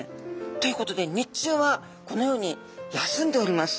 ということで日中はこのように休んでおります。